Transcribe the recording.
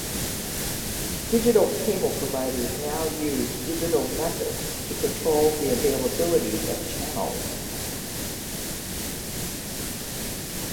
Digital cable providers now use digital methods to control the availability of channels.